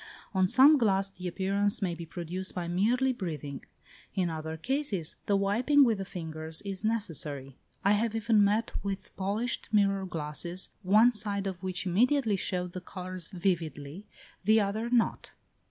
On some glass the appearance may be produced by merely breathing; in other cases the wiping with the fingers is necessary: I have even met with polished mirror glasses, one side of which immediately showed the colours vividly; the other not.